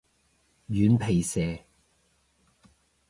軟皮蛇